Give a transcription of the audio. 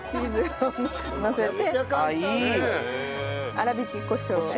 粗挽きコショウを。